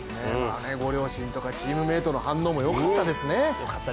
ご両親とかチームメイトの反応もよかったですね。